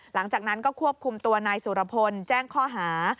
หลังจากนั้นก็ควบคุมตัวนายสุรพลแจ้งข้อหา